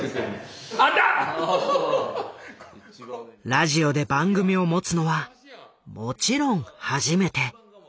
ラジオで番組を持つのはもちろん初めて。